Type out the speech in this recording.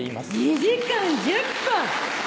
２時間１０分！